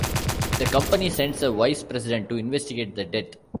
The company sends a vice president to investigate the death.